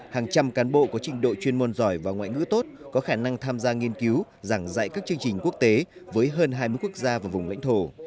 hàng trăm cán bộ có trình độ chuyên môn giỏi và ngoại ngữ tốt có khả năng tham gia nghiên cứu giảng dạy các chương trình quốc tế với hơn hai mươi quốc gia và vùng lãnh thổ